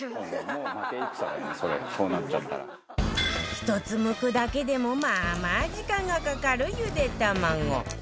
１つむくだけでもまあまあ時間がかかるゆで卵